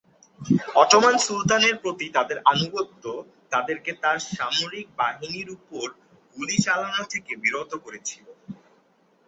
Ottoman সুলতানের প্রতি তাদের আনুগত্য তাদেরকে তার সামরিক বাহিনীর উপর গুলি চালানো থেকে বিরত করেছিল।